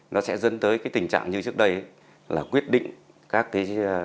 nó sẽ dân tới cái tình trạng như trước đây là quyết định các chủ trương đầu tư quyết định dự án